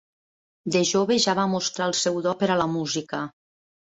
De jove ja va mostrar el seu do per a la música.